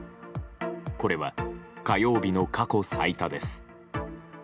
これは火曜日の過去最多です。